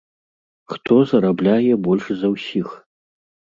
Хто зарабляе больш за ўсіх?